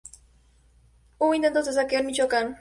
Hubo intentos de saqueo en Michoacán.